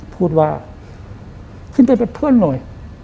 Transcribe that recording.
พูดว่าขึ้นไปเป็นเพื่อนหน่อย